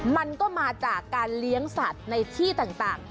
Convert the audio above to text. มันก็มาจากการเลี้ยงสัตว์ในที่ต่าง